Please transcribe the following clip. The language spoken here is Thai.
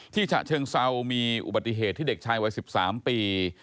ที่ฉะเชิงเศร้ามีอุบัติเหตุที่เด็กชายไว้๑๓ปี